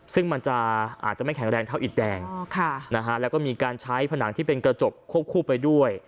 ซึ่งมันจะอาจจะไม่แข็งแรงเท่าอิดแดงแล้วก็มีการใช้ผนังที่เป็นกระจกควบคู่ไปด้วย